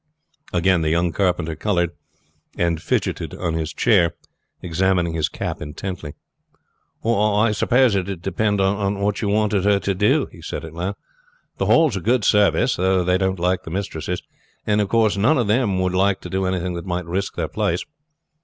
Again the young carpenter colored, and fidgeted on his chair, examining his cap intently. "I suppose it would depend on what you wanted her to do," he said at last. "The Hall is a good service, though they don't like the mistresses, and of course none of them would like to do anything that might risk their place."